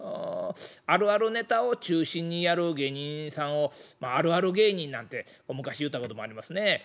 あるあるネタを中心にやる芸人さんをあるある芸人なんて昔言うたこともありますね。